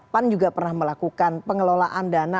pan juga pernah melakukan pengelolaan dana